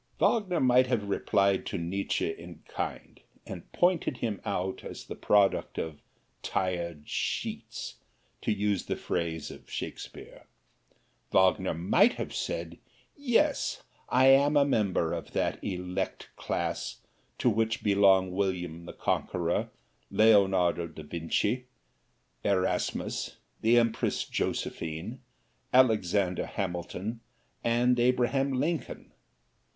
Wagner might have replied to Nietzsche in kind, and pointed him out as the product of "tired sheets," to use the phrase of Shakespeare. Wagner might have said, "Yes, I am a member of that elect class to which belong William the Conqueror, Leonardo da Vinci, Erasmus, the Empress Josephine, Alexander Hamilton and Abraham Lincoln!"